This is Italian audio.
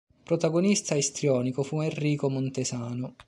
Protagonista istrionico fu Enrico Montesano.